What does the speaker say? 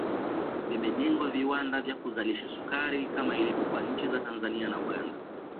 Vimejengwa viwanda vya kuzalisha sukari kama ilivyo kwa nchi za Tanzania na Uganda